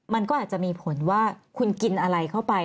มันก็อาจจะมีผลว่าคุณกินอะไรเข้าไป